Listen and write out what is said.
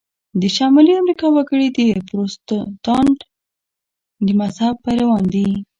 د شمالي امریکا وګړي د پروتستانت د مذهب پیروان دي.